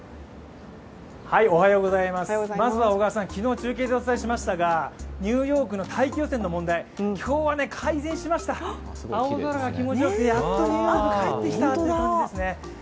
まずは小川さん、昨日中継でお伝えしましたがニューヨークの大気汚染の問題、今日は改善しました、青空が気持ちよくてやっとニューヨークが帰ってきたという感じですね。